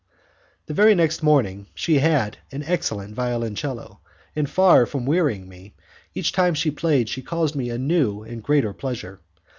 The very next morning she had an excellent violoncello, and, far from wearying me, each time she played she caused me a new and greater pleasure.